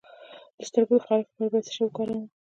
د سترګو د خارښ لپاره باید څه شی وکاروم؟